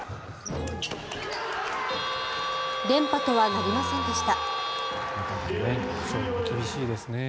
連覇とはなりませんでした。